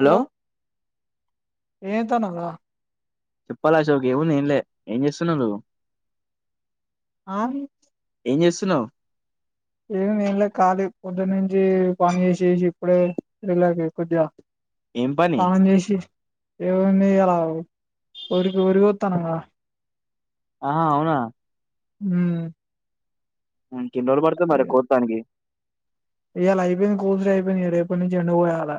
Hello ఎంఏతనవ్ర చెప్పరా అశోక్ ఎం ఉంది ఎంలే ఏం చేస్తున్నవ్ నువ్వు అని ఏం చేస్తున్నవ్ ఏంలేదులె కాళీ పొద్దునుంచి పని చేశిశి ఇప్పుడే రిలాక్స్ కొద్దిగ ఏం పని తానం జెశి ఏవునై ఇయాల ఆవ్ వరి వరి కొతానంగా ఆహ ఔన ఉమ్ ఇంక ఏన్ని రోలు పడుతది మరి కొత్తానికి ఇయల అయ్పోయింది కోసుడు అయ్పోయింది ఇగ రేపనుంచి ఎండ పొయాల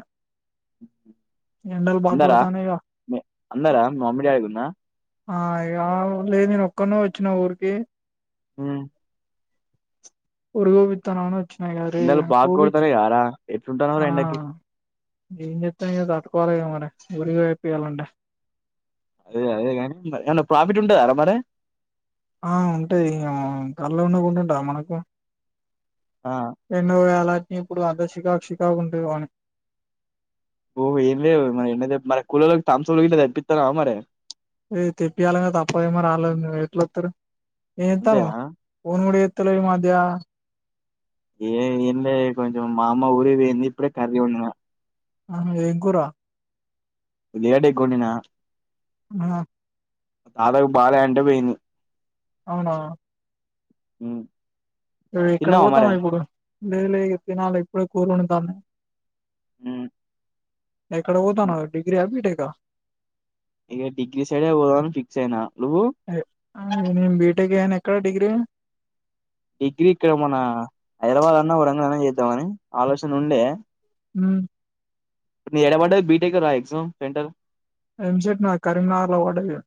ఎండలు బాగ అందరా గొడతానయ్గ మీ- అందరా మీ మమ్మీ డాడీ కూడానా ఆ యావ్ లేదు నేను ఒక్కనో ఒచ్చిన ఊరికి ఉ వోరి గోపిత్తనను ఆ వరి ఎండలు బాగా కొప్పిచి కొడతానే కారా ఎట్లుంటున్నావురా ఆ ఎండకి ఏంచేతనేగాదూ కొదమేమోరా గురుయేపియాలంట అది అదే గని ఏమన్న ప్రాఫిట్ ఉంటదర మరి ఆ ఉంటది ఇగ గళ్ళ ఉండకుంట ఉంటద మనకు ఆ రెండు విధాలా ఇప్పుడు అదే చిక్కాక్ చిక్కాక్ ఉంటదని ఓహో ఏం లేద్ మరి మరి కూలొల్లకి తమ్స్అప్ తెపితావ మరి లెద్ తెప్పియాలగ తప్పద్ మరి ఆళ్లు ఎట్ల ఒత్తరు ఏయింతాను అంతేనా ఫోన్ గుడ చేతలే ఈ మధ్య ఏ ఏం లె కొంచం మా అమ్మ ఊరికి వెళ్ళింది ఇప్పుడే కర్రి ఒన్డిన ఎం కూర ఉల్లిగడ్డ ఎగ్ ఒండిన అవ్నా మా తాతకి బాలే అంటె పోయింది ఔన ఉమ్మ్ నువ్ ఎక్కడ పోతన్నావ్ ఇప్పుడు లేదులే ఇది తినాలి ఇప్పుడే కూరలు వండుతాము ఉమ్ ఏక్కడ వొతానవ్ డిగ్రీ ఆ బిటెక్ అ ఇగ డిగ్రీ సైడ్ ఏ వొదాం అని ఫిక్స్ అయిన అదే ఆ నేను బిటెక్ అయిన ఎక్కడ డిగ్రీ డిగ్రీ ఇక్కడ మన హైద్రవాద్ అన్న వరంగల్ అన్న ఏద్దామని ఆలోచన ఉండే ఉ ఇపుడు ఎడవడ్డది బిటెక్ రా ఎగ్జామ్ సెంటర్ ఎంసెట్ నాది కరీంనగర్ల పడ్డది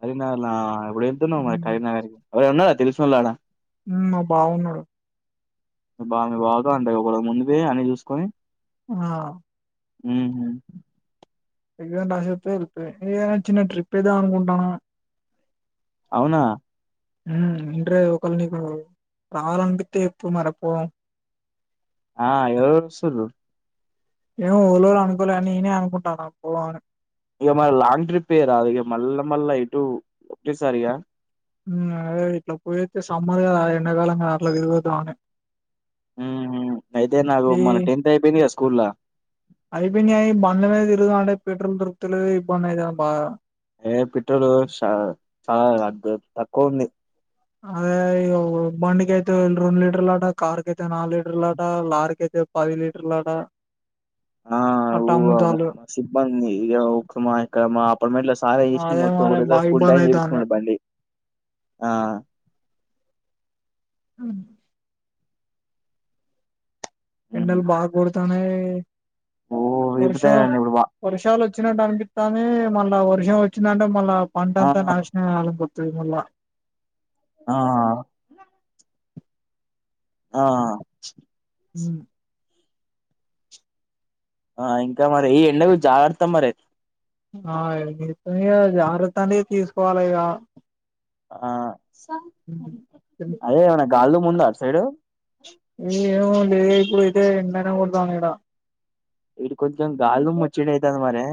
కరీంనగర్లా ఎప్పుడు ఏలుతునవ్ మరి ఉమ్ కరింనగర్ ఎవర ఉన్నర తెలిసినోళ్లు ఆడ ఉ మా బావ ఉన్నడు బాగా బాగా అందె ఒకడ ముందుకే అన్ని చూసుకొని ఆ ఉహుమ్ ఎగ్ జామ్ రసోత్తే ఎల్ పె ఇగ చిన్న ట్రిప్ ఎద్దమ్ అనుకుంటాన్న ఔనా మ్ ఇంట్రె ఒకల్ నీకు రావాలనిపిత్తే చెప్పు మరపో ఆ ఎవరేవర్ వొస్సుర్రు ఏమో ఓలోల్ అనుకోలే అని నేనే అనుకుంటన్న పోదమ్ అని ఇగ మర్ లాంగ్ ట్రిప్ ఎయ్యారాదు ఇగ మళ్ళా మళ్ళా ఇటు ఒకే సారిగా ఉమ్ అదే ఇట్లా పోయతే సమ్మర్ గదా ఎండాకాలం గదా అట్లా దిరీగొద్దాం అని ఉహు అయితే నాకు ఈ మన టెన్త్ అయిపోయింది కదా స్కూల్లా అయిపోన్య ఇ బండ్ల మీద తిరుగుదాం అంటే పెట్రోల్ దొరుకుతాలేదు ఇబ్బంది అయిత బాగ ఏ పిట్రోల్ చ చాలా అగ్ వెబ్ తక్కువుంది అదే ఇయివు బండి కి అయితే రొంన్ లీటర్లు లాట కార్ కాయితే నాల్ లీటర్లు లాట లార్ కయిత్ పది లీటర్లు లట ఆ ఊ న్ సిబ్బంది ఇగ మా ఇక్కడ మా అపార్మెంట్ల స్ చాలా చేసిన అదే మొత్తం మరి ఒకటే సారి బాగా ఫుల్ ఇబ్బంది ట్యాంక్ అయితాంది చేపించుకునడు బండి ఆ హ్ హ్మ్ ఎండల్ బా కొడతాన్నాయి ఓ వర్ షమ్ విపుతారండి ఇప్పుడు బా వర్షాల్ లోచ్ వచ్చినట్టు అన్ పితాంది మళ్ళా వర్షం వొచ్చిందంటే మళ్ళా పంట ఆ అంతా నాశ్ నమే అలమ్ గో త్రిముళ్ళ ఆ ఆ ఉమ్ ఆ ఇంకా మరి ఈ ఎండకు జాగర్ తా మరే ఆయ్ ఎత్తమ్ ఇగ జాగ్రత్త అనే తీస్ కోవాల్ ఇగ ఆ గాల్ దుమ్ము ఉంద అట్ సైడు ఈ ఏమోలే ఇప్పుడు ఇతే ఎండనె కొడతాంది ఇడ ఇడి కొంచెం గాలు దుమ్ మొచ్చిడయిథాంద్ మరే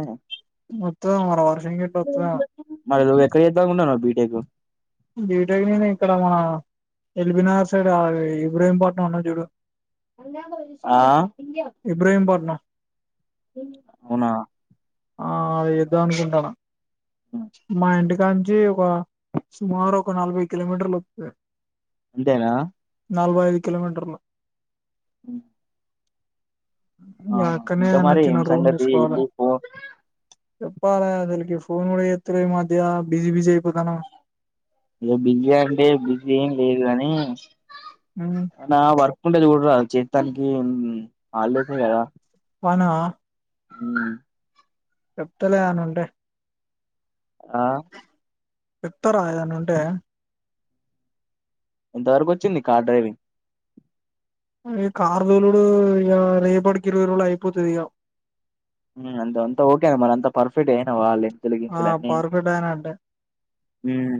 మొత్తం మర వర్షం గిట వొత్తదేమో మర్ నువ్ ఎక్కడ్ చేద్దాంఉన్నన్ బీటెకు బీటెక్ నేన్ ఇక్కడ మా ఎల్ బినగర్ సైడ్ ఆవి ఇబ్రహీంపట్నం ఉన్నది జుడు ఆ ఇబ్రహీంపట్నం ఔనా ఆ అది చేద్దాంమి అనుకుంటన్న మా ఇంటిక్ దాన్ కి ఒక సుమారు ఒక నలభై కిలోమీటర్లు వొత్ ది అంతేనా నలబై ఐదు కిలోమీటర్లు ఇగ ఆ అక్కన్నే ఇంకా యన్న మరి చిన్న ఏం రూమ్ జుస్ సంగతి కోవాలె ఏంటి పో చెప్పాలె అసలకి ఫోన్ గుడా జెత్తలేవు ఇ మధ్య బిజీ బిజీ అయిపోతాన్నవు ఇగ బిజీ అంటే బిజీ ఎం లేదు గాని హ్మ్ నా వర్క్ కుండేది చూడ్ రాద్ చేత్తానికి హ్మ్ హాల్ డేస్ యే గదా బాన్నావా ఉహౌ చెప్ తలే ఏవన్ ఉంటే ఆ ఇత్తర ఏదేనా ఉంటే? ఎంత వరకు వచ్చింది కార్ డ్రైవింగ్? అది కార్ తోలుడు ఇక రేపటికి ఇరవైరోలు అయిపోతోది ఇగ మ్ అంతే అంతే ఓకే మరి అంతా పర్ఫెక్ట్ ఏనావవా అలె పెళ్లి గిత్త ఆ ల్ ఆని పర్ఫెక్ట్ ఆయన అంటే మ్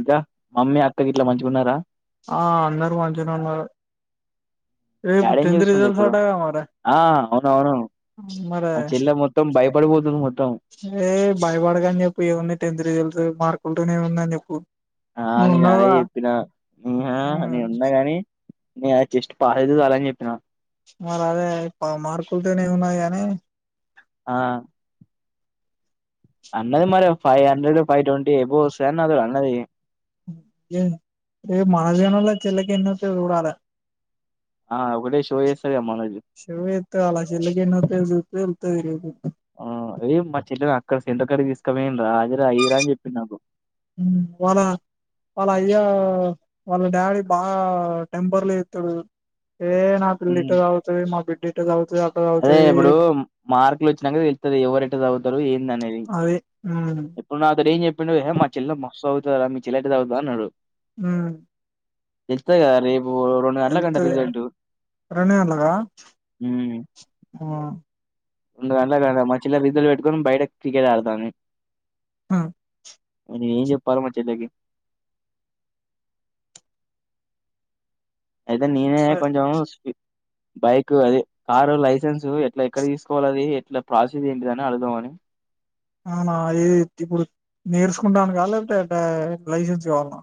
ఇంకా మమ్మీ అక్క గేట్ల మంచిగా ఉన్నారా? ఆ అందరు మంచగా ఉన్నారు రేపు డాడీ ఏం టెన్త్ చేస్తుండు రిజల్ట్ ఇప్పుడు అంటగా మరీ ఆ అవునవును మరే అక్కడ పోదువు మరీ హే బయపడకన్ చేప్పి ఎవరిని టెన్త్ రిజల్త్ మార్కులతోనే ఉందని చెప్పు ఆ నువ్వు నేను అదే ఉన్నావుగా చెప్పిన మః ఆ హ్మ్ నేను ఉండ గాని ఇహ చెస్ట్ పాస్ అయితే చాల నీ చెప్పిన మరి అదే పా మార్కులతోనే ఉన్నాది గానీ ఆ అన్నది మరీ five hundred five twenty above ఒస్స్థాయ్ అన్ నాత్ అన్నది దేని రేపు మాహదేవాన్ చెల్లి కి ఆని వస్తాయ్ చూడాలే ఆ ఒకటే షో ఎస్ షో ఎతే ఆలా చెల్లి గి ఆని చుతే తెలుస్తది రేపు ఆ ఏ మా చెల్లెని అక్కడ సెంటర్ కాడికి తీకోవన్ రా హది రా ఇది రా అని చెప్పి నాకు మ్ వలనా వాళ్ళ అయ్యా వాళ్ళ డాడీ బాగా టెంపర్ లెతాడు. ఏ నా పిల్ల ఇట్ట చదువుతాది, మా బిడ్డి ఇట్ట చదువుతాది అవు అరె ఇప్పుడు మార్కులు వచ్చినాక తెలుతాది. ఎవరు ఎట్లా చదువుతారు ఎంది అనేది మ్ అపుడు ఏం చెప్పాడు మా చెల్లె మస్తు చదువుతది రా మీ చెల్ల ఎట్ట చదువుతుంది అన్నాడు. మ్ తెలుతది గా రేపు రెండు గంటలకంట తెలుతది గా రిజల్ట్ రేడు గట్ల హ ఉమ్ ఉమ్మా రెండు గంటల కాడ మా చెల్లెర్ రిజట్ల్స్ పెట్టుకొని బయట క్రికెట్ ఆడుతుంది. అ నిను ఎం చెప్పాలి మ చెళ్ళేకి ఐతే నినే కొంచము ష్ బైక్ అదే కారు లైసెన్సు ఎట్లా ఎక్కడ తీసుకోవాలి అది ఎట్లా ప్రాసీస్ ఏంటిది అడుగుదామని అవునా ఏ తిప్పుడు నేర్సుకుంటానిక లేకపోతే లైసెన్స్ కావాల్న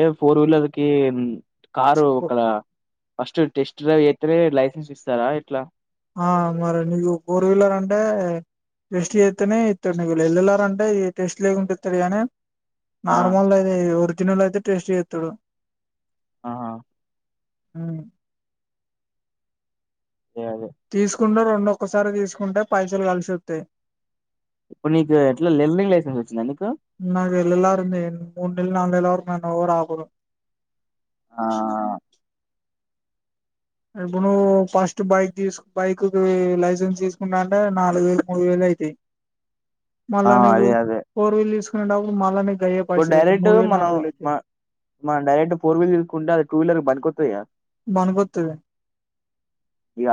ఏ ఫోర్ వీలర్ కి కారు ఒకల ఫస్ట్ టెస్ట్ ట్రై చేస్తేనే లైసెన్స్ ఇస్తారా ఇట్లా ఆ మరి నీగు ఫోర్వీలర్ అంటే? టెస్ట్ చేస్తనే ఇస్తాడు ల్ ల్ ర్ వెల్ళలారంటే ఈ టెస్ట్ లేకుంటే ఇస్తాడు గానీ ఆ నార్మల్ దైతే ఓర్జినెల్ దైతే టేస్ట్ చేస్తాడు ఆహా అవున్ య అదే కుండు రెండు ఒకే సారీ తీసుకుంటే పైసలు కల్సి ఓతేయ్ ఇప్పుడు నీకు ఎట్లా లెర్నింగ్ లైసెన్స్ వచ్చిందా నీకు నాది ల్ ల్ ర్ ఉంది. మున్ ల్ నాలుల్ వరకు నేను ఎవరు అపరు. ఆ ఇప్పుడు ఫస్ట్ బైక్ తీసు బైక్ లైసెన్స్ తీసుకున్నాంటే నాలుగు వేలు, మూడు వేలు అయితాయి. మల్ల ఆ నీవు అదే అదే ఫోర్ వీల్ తీసుకునేటప్పుడు మళ్ళా నీకు అయ్యే ఇప్పుడు పైసలు అయితాయి డైరెక్ట్ మూడు వేలు మనం నాలుగు వేలు మ అయితాయి మన డైరెక్ట్ ఫోర్ వీలర్ తీసుకుంటే అది టూ వీలర్ బనికొత్తదిహ బనుకొత్తది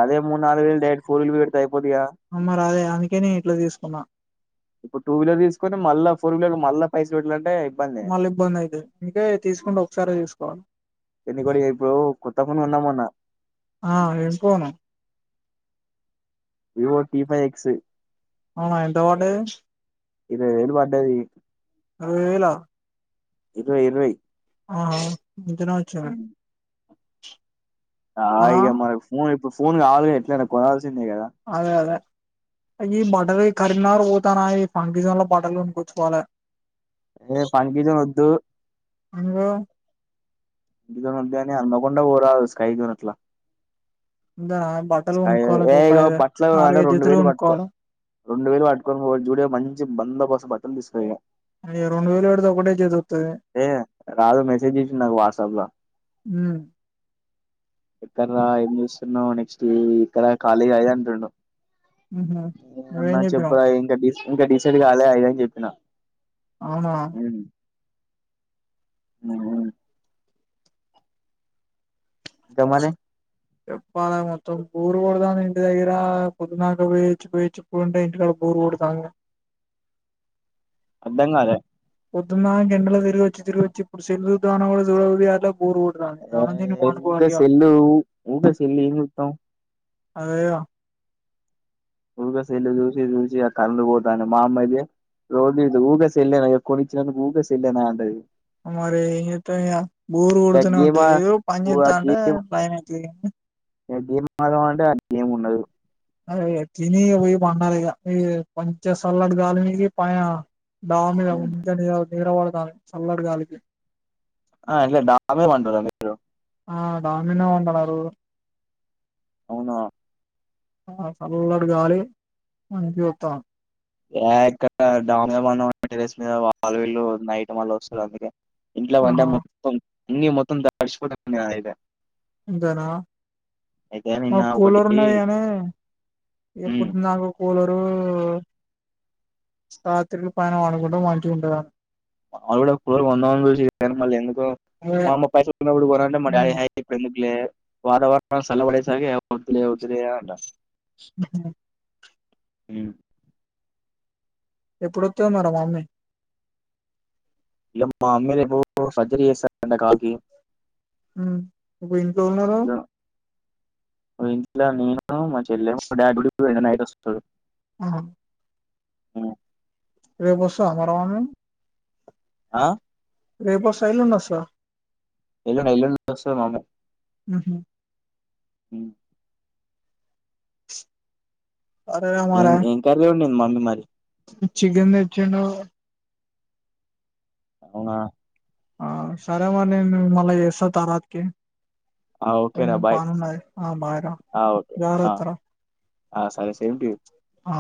అదే మూడు నాలుగు వేళ్ళు డాడీ ఫోన్లు పెడితే అయిపోద్దిగా అమ్మ రాలె అందుకే నేను ఇట్లా తీసుకున్నా ఇప్పుడు టూ వీలర్ తీసుకొని మళ్ళా ఫోర్ వీలర్కి మళ్ళా పైసలు పెట్టాలంటే ఇబ్బందే మళ్ళా ఇబ్బంది అయితది అంటే తీసుకుంటే ఒకసారే తీసుకోవాలి ఎందుకంటే రేపు కొత్త ఫోన్ కొందామన్న ఆ ఏం phone Vivo T five X అవు ఎంత వడ్డది ఇరవై వేళ్ళు వడ్డది అరవై వేళ ఇరవై ఇరవై ఆహా ఇంతనే వచ్చింది ఆ ఇగా మరి ఫోన్ ఇప్పుడు ఫోన్ కావాలిగా ఎట్లైనా కోనాలి అదే అదే ఈయ్యి బార్డర్ కరీంనగర్ పోతాన ఈ పండుగల బట్టలు కోనుకచ్చుకోవాలే ఏ పని బిజీ ఒద్దు ఇంగో ఇంట్లోనే ఉంటే అందకుండా పోరాదు స్కైడునట్ల ఇందా బట్టలు స్కై కొనుక్కోవాలి ఏ ఒక ఏగో ఐదు బట్టల అడ నాలుగైదు రెండు జతలు వేలు పట్టుకో కొనుక్కోవాలి రెండు వేలు వట్టుకొని పో జూడి మంచి బందోబస్తు బట్టలు తీసుకోపో ఇగా అయ్యో రెండు వేలు పెడితే ఒకటే జత వత్తది ఏ రాజు మెసేజ్ జేసిండు నాకు వాట్సప్ ల ఉ ఇక్కడ ర ఏం చేస్తున్నావు నెక్స్ట్ ఈ ఇక్కడ కాలేజ్ అది అంటుండు. ఉహు నువ్వేం అన్న చెప్పినవ్ చెప్పవా ఇంక ఇంకా డిసైడ్ కాలే ఐనంక చెప్పిన అవునా ఉమ్ ఇంకా మనీ చెప్పాలా మొత్తం బోర్ కొడుతాంది ఇంటి దగ్గర పొద్దున దాకా పోయొచ్చి పోయొచ్చి ఇప్పుడు ఉంటే ఇంట్లో బోర్ కొడుతాంది అర్ధంకాలే పొదున్నా ఇంగ ఎండలో తిరిగోచ్చి తిరోగొచ్చి ఇప్పుడు సెల్లు సూద్దాం అన్న గూడా చూడబుద్ది గట్లే బోర్ కొడుతాంది అన్నం తిని ఏ ఊకే పండుకోవాలి ఇగా సెల్లు ఊకే సెల్లు ఏం చూత్తాం అదేగా ఉరుగ సెల్లు జూసి జూసి ఆ కన్లు పోతన్నాయ్ మా అమ్మ అయితే రోజూ ఇగా సెల్లేనా ఇగ కొనిచ్చినందుకు ఊకే సెల్లేనా అంటది మరి ఎంజేత్తమ్ ఇగా బోర్ ఇగ కొడుతూనే గేమ్ ఉంటది. ఆ ఏదో ఆ పనిజేత్తంటే గేమ్ టైం అయితది. గేమ్ ఆడదాం అంటే ఆ గేమ్ ఉండదు. అ తిని ఇగా పోయి పండాలీ ఇగ ఈ కొంచ సల్లడి గాలి పైన దా మీద ఇంకా నిద్రవడతాంది చల్లగాలికి ఆ అట్లే డా మీ పంటారా మీరు ఆ దాని మీదనే పంటనారు అవునా ఆ చల్లటి గాలి మంచిగోతాంది ఏ ఇక్కడ డాబా మీద పందమంటే టెరెస్ మీద వాళ్ళ వీళ్ళు నైట్ మళ్ళ వస్తునరు అందుకే ఇంట్ల వంట ఆహా మొత్తం అన్ని మొత్తం తడిషిపోతనయ్ నదైతే అంతేనా అయితే నిన్న మాకు కూలర్ ఒకటి ఉన్నాది కాని ఇగ ఉమ్ పొద్దున్దాకా కూలర్ డు రాత్రికి పైన పండుకుంటే మంచిగుంటదని [unintelligible] జూసి పైన మళ్ళ ఎందుకు అదే మా అమ్మ పైసలునప్పుడు కోనంటే మా డాడి ఎహే ఇప్పుడు ఎందుకులే వాతావరణ సళ్లపడేసరికి వద్దులే వద్దులే అంట మ్ ఎప్పుడొత్తదో మరీ మమ్మీ ఇగ మా అమ్మి రేపు సర్జరీ చేస్తారంటా కాలికి మ్ ఇప్పుడు ఇంట్లో ఉన్నార ఇంట్లో నేను, మా చెల్లె మా డాడీ డ్యూటీకి పోయిండు నైట్ ఓస్తాడు. ఆహా ఆ రేపు ఓస్తా మన మమ్మీ ఆ రేపు ఓస్తాదా, ఏలుండి ఓస్తాదా? ఏలుండి ఉండి ఓస్తాదా మమ్మీ? ఉహు మ్ సరేరా ఏం మరి ఏం కర్రీ ఓన్డింది మమ్మీ మరి? చికెన్ తెచ్చండు అవునా ఆ సరే మరి నేను మల్లా చేస్తా తరవాతకి ఆ! ఓకేరా కొంచం బాయ్. పనున్నాది ఆ బయరా ఆ! ఓకే. ఆ! జాగ్రత్తర ఆ సరే సేమ్ టు యూ ఆ